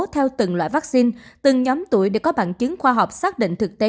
theo từng loại vaccine từng nhóm tuổi để có bằng chứng khoa học xác định thực tế